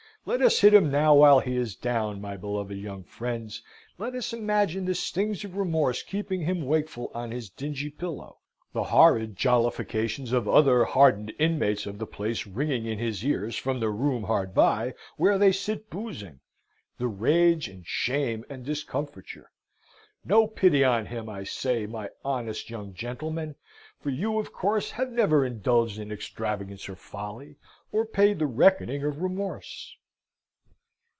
Let us hit him now he is down, my beloved young friends. Let us imagine the stings of remorse keeping him wakeful on his dingy pillow; the horrid jollifications of other hardened inmates of the place ringing in his ears from the room hard by, where they sit boozing; the rage and shame and discomfiture. No pity on him, I say, my honest young gentlemen, for you, of course, have never indulged in extravagance or folly, or paid the reckoning of remorse.